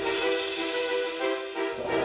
masih berharap kamu mau kepuk tangan kamu